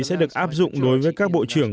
sẽ được áp dụng đối với các bộ trưởng